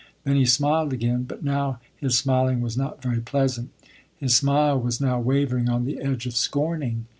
Then he smiled again, but now his smiling was not very pleasant. His smile was now wavering on the edge of scorning.